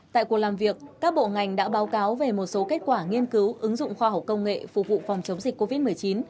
tại cuộc làm việc các bộ ngành đã báo cáo về một số kết quả nghiên cứu ứng dụng khoa học công nghệ phục vụ phòng chống dịch covid một mươi chín